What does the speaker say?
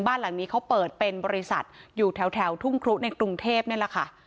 บ้านหลังนี้เขาเปิดเป็นบริษัทอยู่แถวทุ่งครุในกรุงเทพนี่แหละค่ะ